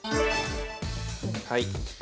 はい。